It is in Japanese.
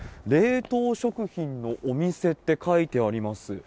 冷凍食品のお店って書いてあります。